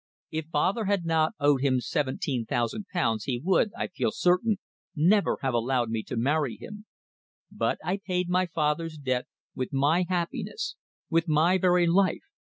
If father had not owed him seventeen thousand pounds he would, I feel certain, never have allowed me to marry him. But I paid my father's debt with my happiness, with my very life.